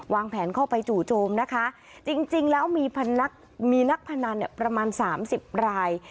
วางแผนเข้าไปจู่โจมนะคะจริงแล้วมีนักพนันประมาณ๓๐ราย